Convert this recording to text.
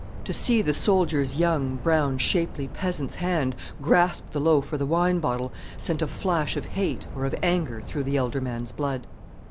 To see the soldier's young, brown, shapely peasant's hand grasp the loaf or the wine bottle sent a flash of hate or of anger through the elder man's blood.